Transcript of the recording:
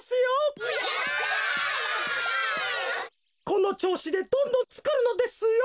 このちょうしでどんどんつくるのですよ。